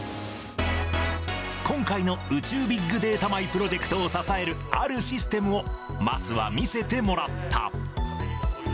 今回の宇宙ビッグデータ米プロジェクトを支えるあるシステムを、桝は見せてもらった。